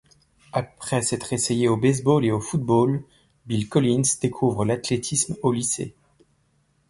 Après s'être essayé au baseball et au football, Bill Collins découvre l'athlétisme au lycée.